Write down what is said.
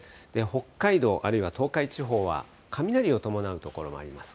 北海道、あるいは東海地方は雷を伴う所もあります。